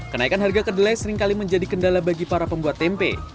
kenaikan harga kedelai seringkali menjadi kendala bagi para pembuat tempe